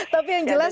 tapi yang jelas